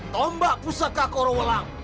tombak pusaka korowelam